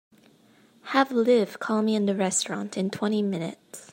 Have Liv call me in the restaurant in twenty minutes.